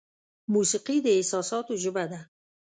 موسیقي د احساساتو ژبه ده.